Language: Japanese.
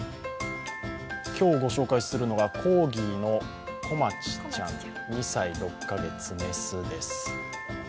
今日ご紹介するのがコーギーのこまちちゃん、２歳６か月、雌です。